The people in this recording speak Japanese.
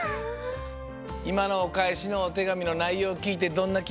いまのおかえしのおてがみのないようをきいてどんなきもち？